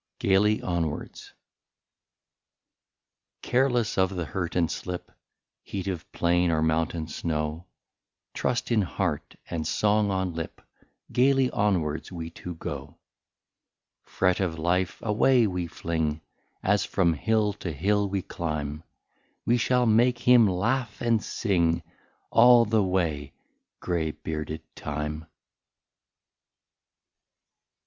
13 GAILY ONWARDS. Careless of the hurt and slip, Heat of plain or mountain snow, Trust in heart, and song on lip. Gaily onwards we two go. Fret of life away we fling. As from hill to hill we climb ; We shall make him laugh and sing All the way grey bearded time.